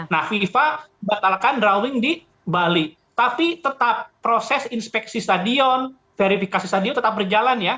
nah fifa batalkan drawing di bali tapi tetap proses inspeksi stadion verifikasi stadion tetap berjalan ya